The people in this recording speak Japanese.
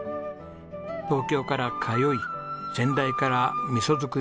東京から通い先代から味噌作りを学びました。